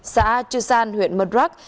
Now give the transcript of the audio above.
xã a chư san huyện murdrag